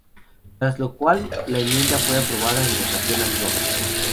Tras lo cual la enmienda fue aprobada en votación a viva voz.